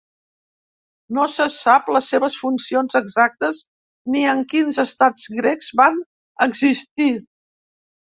No se sap les seves funcions exactes ni en quins estats grecs van existir.